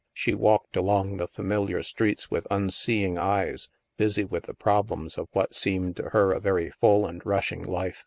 She walked along the familiar streets with unsee ing eyes, busy with the problems of what seemed to her a very full and rushing life.